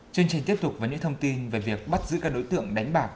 chương trình tiếp tục với những thông tin về việc bắt giữ các đối tượng đánh bạc